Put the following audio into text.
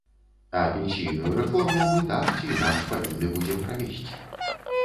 А пенсійную рэформу мы так ці інакш павінны будзем правесці.